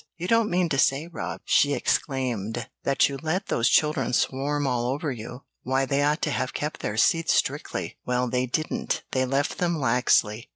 "You don't mean to say, Rob," she exclaimed, "that you let those children swarm all over you? Why, they ought to have kept their seats strictly." "Well, they didn't; they left them laxly."